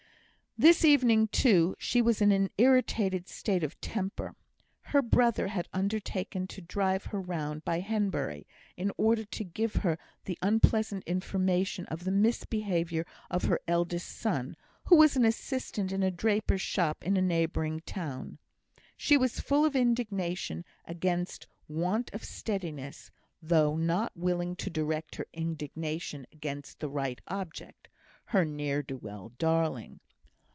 This evening, too, she was in an irritated state of temper. Her brother had undertaken to drive her round by Henbury, in order to give her the unpleasant information of the misbehaviour of her eldest son, who was an assistant in a draper's shop in a neighbouring town. She was full of indignation against want of steadiness, though not willing to direct her indignation against the right object her ne'er do well darling.